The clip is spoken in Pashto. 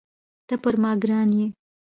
ته پر ما ګران یې.